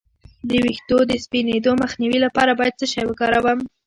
د ویښتو د سپینیدو مخنیوي لپاره باید څه شی وکاروم؟